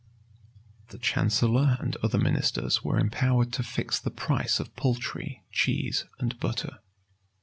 7 The chancellor and other ministers were empowered to fix the price of poultry, cheese, and butter.